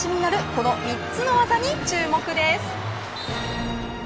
この３つの技に注目です。